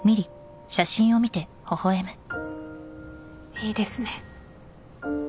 いいですね